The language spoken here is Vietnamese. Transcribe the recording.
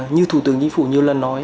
như thủ tướng chính phủ nhiều lần nói